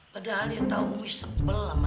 padahal dia tau umi sebelah